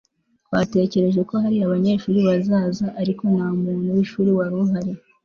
twatekereje ko hari abanyeshuri bazaza, ariko nta muntu w'ishuri wari uhari